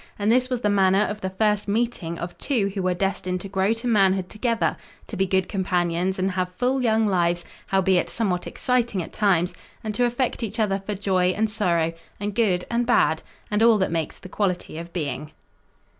And this was the manner of the first meeting of two who were destined to grow to manhood together, to be good companions and have full young lives, howbeit somewhat exciting at times, and to affect each other for joy and sorrow, and good and bad, and all that makes the quality of being.